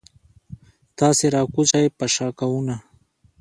تاسې راکوز شئ پشکاوونه.